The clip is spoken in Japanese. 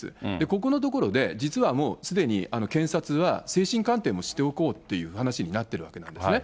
ここのところで、実はもう、すでに検察は精神鑑定もしておこうという話になっているわけなんですね。